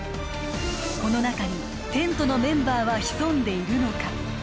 この中にテントのメンバーは潜んでいるのか？